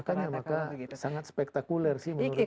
makanya maka sangat spektakuler sih menurut saya